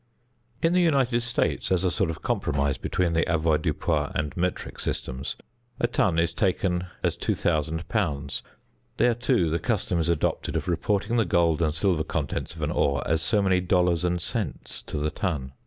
In the United States, as a sort of compromise between the avoirdupois and metric systems, a ton is taken as 2000 lbs. There, too, the custom is adopted of reporting the gold and silver contents of an ore as so many dollars and cents to the ton.